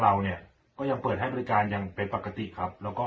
เราเนี่ยก็ยังเปิดให้บริการอย่างเป็นปกติครับแล้วก็